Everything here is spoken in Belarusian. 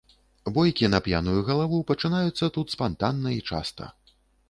Бойкі на п'яную галаву пачынаюцца тут спантанна і часта.